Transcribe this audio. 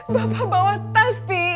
bapak bawa tas ibu